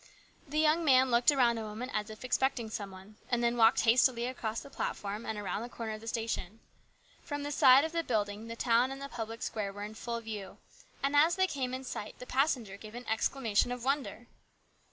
The young man looked around a moment as if expecting some one, and then walked hastily across the platform and around the corner of the station. From the side of the building the town and the public square were in full view, 10 HIS BROTHER'S KEEPER. and as they came in sight the passenger gave an exclamation of wonder.